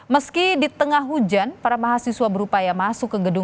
meski di tengah hujan para mahasiswa berupaya masuk ke gedung